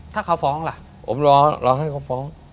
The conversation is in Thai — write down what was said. ถ้าเขาฟ้องล่ะผมรอให้เขาฟ้อง